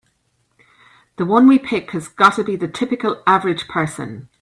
The one we pick has gotta be the typical average person.